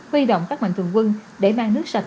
huy động các mạnh thường quân để mang nước sạch